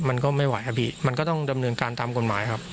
มันก็ไม่ไหวครับพี่มันก็ต้องดำเนินการตามกฎหมายครับ